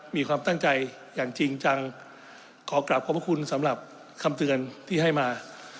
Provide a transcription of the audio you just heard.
มีความตั้งใจอย่างจริงจังขอกลับขอบพระคุณสำหรับคำเตือนที่ให้มา